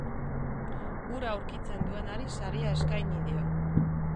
Hura aurkitzen duenari saria eskaini dio.